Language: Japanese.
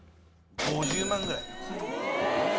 ５０万ぐらい。